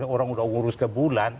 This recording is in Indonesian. orang sudah ngurus ke bulan